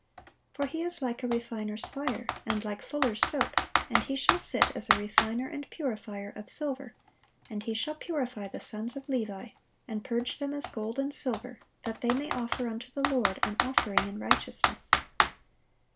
for He is like a refiner's fire, and like fullers' soap: and He shall sit as a refiner and purifier of silver: and He shall purify the sons of Levi, and purge them as gold and silver, that they may offer unto the Lord an offering in righteousness."